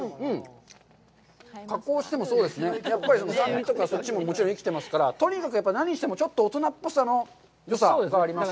加工しても、そうですね、やっぱり酸味とかそっちももちろん生きてますから、とにかく何してもちょっと大人っぽさのよさがありましたね。